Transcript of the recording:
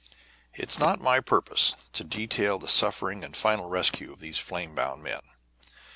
It is not my purpose to detail the sufferings and final rescue of these flame bound men.